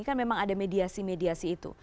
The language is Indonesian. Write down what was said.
kan memang ada mediasi mediasi itu